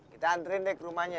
kita antren deh ke rumahnya